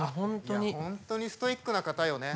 本当にストイックな方よね。